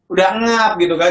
udah ngap gitu kan